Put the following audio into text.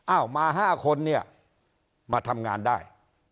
อ้าวมาห้าคนเนี่ยมาทำงานได้